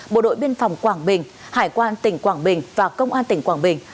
bộ đội biên phòng quảng bình hải quan tỉnh quảng bình và công an tỉnh quảng bình